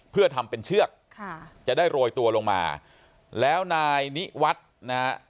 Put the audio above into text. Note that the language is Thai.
เพื่อทำเป็นเชือกค่ะจะได้โรยตัวลงมาแล้วนายนิวัฒน์นะฮะ